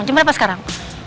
ngejem berapa sekarang